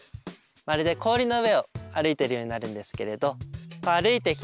まるで氷の上を歩いてるようになるんですけれど歩いてきてですね